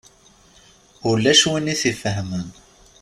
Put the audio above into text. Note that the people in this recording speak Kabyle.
Ulac win i t-ifehmen.